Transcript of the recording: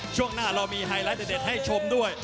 ช่วงหน้าเรามีไฮไลท์เด็ดให้ชมด้วย